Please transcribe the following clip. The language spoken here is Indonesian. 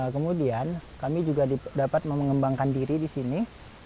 kemudian kami juga dapat mengembangkan diri disini